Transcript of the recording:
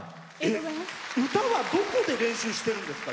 歌は、どこで練習してるんですか？